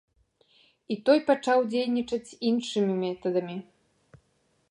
І той пачаў дзейнічаць іншымі метадамі.